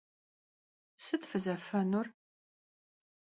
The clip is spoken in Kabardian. Sıt fızefênur?